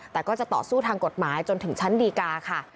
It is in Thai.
แต่ก็จะต่อสู้ทางกฎหมายจนถึงชั้นดีกาค่ะ